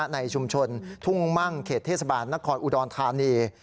ในชุมชนทุ่งมั่งเขตเทศบาลนครอุดรธานี